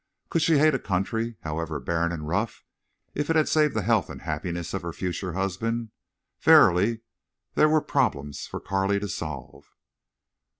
Could she hate a country, however barren and rough, if it had saved the health and happiness of her future husband? Verily there were problems for Carley to solve.